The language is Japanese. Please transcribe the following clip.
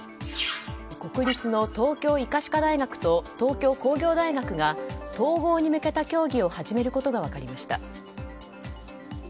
国立の東京医科歯科大学と東京工業大学が統合に向けた協議を始めることが分かりました。